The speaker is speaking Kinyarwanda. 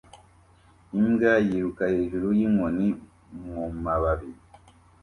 Imbwa yiruka hejuru yinkoni mumababi